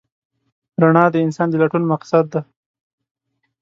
رڼا د انسان د لټون مقصد دی.